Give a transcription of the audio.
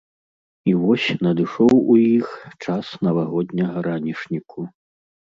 І вось надышоў у іх час навагодняга ранішніку.